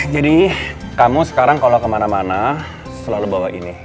jadi kamu sekarang kalau kemana mana selalu bawa ini